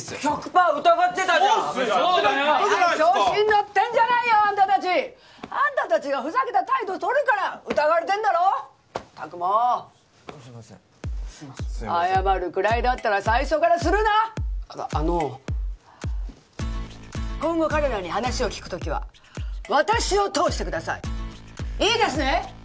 １００パー疑ってたじゃんそうっすよはい調子に乗ってんじゃないよあんた達あんた達がふざけた態度をとるから疑われてんだろったくもうすいません謝るくらいだったら最初からするなあの今後彼らに話を聞く時は私を通してくださいいいですね？